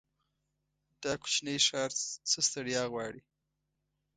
دا کوچينی ښار څه ستړيا غواړي.